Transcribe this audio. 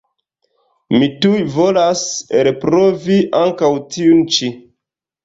Mi tuj volas elprovi ankaŭ tiun ĉi.